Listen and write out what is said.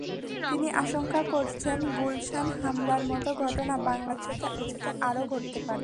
তিনি আশঙ্কা করছেন, গুলশান হামলার মতো ঘটনা বাংলাদেশে ভবিষ্যতে আরও ঘটতে পারে।